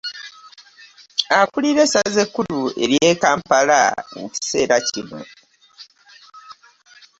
Akulira essaza ekkulu ery’e Kampala mu kiseera kino.